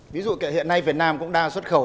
ví dụ hiện nay việt nam cũng đang xuất khẩu